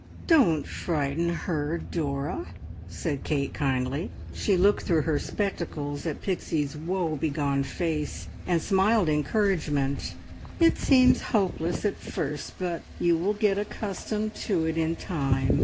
"Don't frighten her, Dora," said Kate kindly. She looked through her spectacles at Pixie's woe begone face, and smiled encouragement. "It seems hopeless at first, but you will get accustomed to it in time.